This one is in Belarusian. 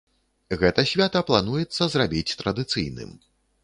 Гэта свята плануецца зрабіць традыцыйным.